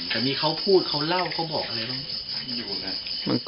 แต่มีเขาพูดเขาเล่าเขาบอกอะไรบ้าง